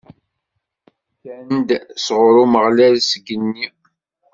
Kkan-d sɣur Umeɣlal, seg igenni.